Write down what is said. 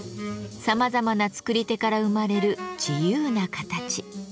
さまざまな作り手から生まれる自由な形。